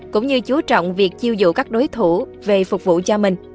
cũng như chú trọng việc chiêu dụ các đối thủ về phục vụ cho mình